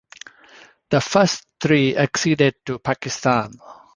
The first three acceded to Pakistan.